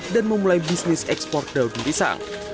dan memulai bisnis ekspor daun pisang